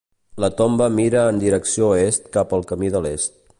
La tomba mira en direcció est cap al camí de l'est.